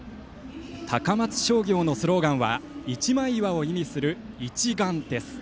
高松商業のスローガンは一枚岩を意味するＩＣＨＩ岩です。